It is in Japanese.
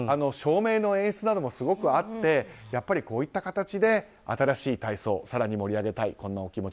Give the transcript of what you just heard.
照明の演出などもすごくあってこういった形で新しい体操、更に盛り上げたい。